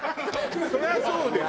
そりゃそうですよ。